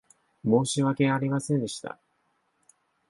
申し訳ありませんでした。